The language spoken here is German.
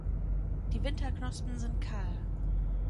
Die Winterknospen sind kahl.